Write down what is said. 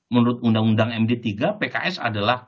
menurut undang undang md tiga pks adalah